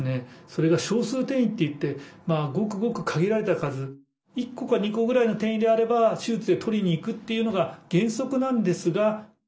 それが「少数転移」っていってごくごく限られた数１個か２個ぐらいの転移であれば手術でとりにいくっていうのが原則なんですが。